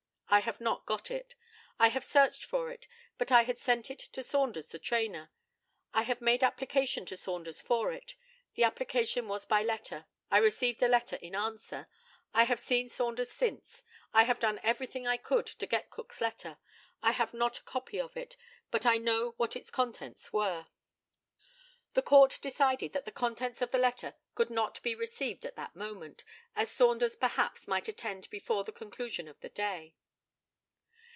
I have not got it. I have searched for it, but I had sent it to Saunders the trainer. I have made application to Saunders for it. The application was by letter. I received a letter in answer. I have seen Saunders since. I have done everything I could to get Cook's letter. I have not a copy of it, but I know what its contents were. The Court decided that the contents of the letter could not be received at that moment, as Saunders perhaps might attend before the conclusion of the day.